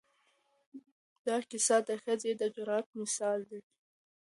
دا کیسه د ښځې د جرأت مثال دی.